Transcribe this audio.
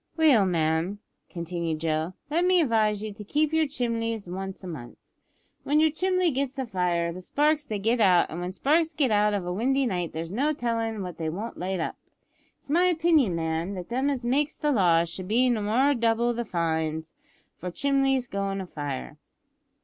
"Well, ma'am," continued Joe, "let me advise you to sweep yer chimleys once a month. When your chimley gets afire the sparks they get out, and when sparks get out of a windy night there's no tellin' what they won't light up. It's my opinion, ma'am, that them as makes the laws should more nor double the fines for chimleys goin' afire.